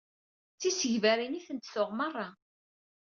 D tisegbarin i tent-tuɣ merra.